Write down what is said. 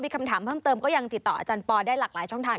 คำถามเพิ่มเติมก็ยังติดต่ออาจารย์ปอได้หลากหลายช่องทาง